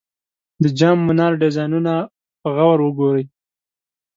د جام منار ډیزاینونه په غور وګورئ.